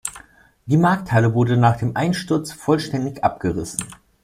Die Markthalle wurde nach dem Einsturz vollständig abgerissen.